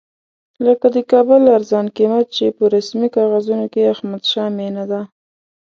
لکه د کابل ارزان قیمت چې په رسمي کاغذونو کې احمدشاه مېنه ده.